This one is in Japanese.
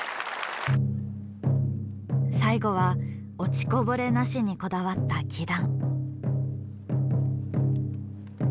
最後は「落ちこぼれなし」にこだわった輝団。